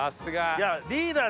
いやリーダー